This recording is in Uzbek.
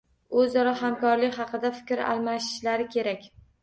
Oʻzaro hamkorlik haqida fikr almashishlari kerak.